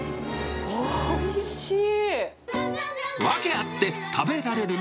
おいしい！